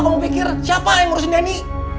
kamu pikir siapa yang ngurusin tni